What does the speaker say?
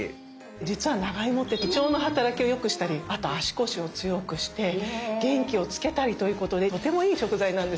実は長芋って胃腸の働きを良くしたりあと足腰を強くして元気をつけたりということでとてもいい食材なんです。